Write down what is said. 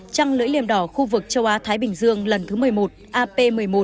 trăng lưỡi liềm đỏ khu vực châu á thái bình dương lần thứ một mươi một ap một mươi một